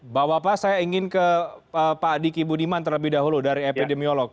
bapak bapak saya ingin ke pak diki budiman terlebih dahulu dari epidemiolog